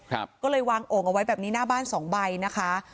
ก็เลยวางโอ่งเอาไว้แบบนี้หน้าบ้านสองใบนะคะ